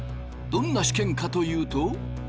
どんな試験かというと。